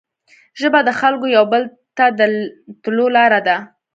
ژبه د خلګو یو بل ته د تلو لاره ده